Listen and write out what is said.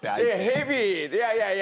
蛇いやいやいや。